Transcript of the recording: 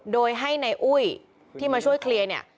โดยให้ในอุ้ยที่มาช่วยเคลียร์เนี่ย